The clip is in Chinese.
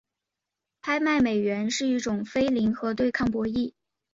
拍卖美元是一种非零和对抗博弈。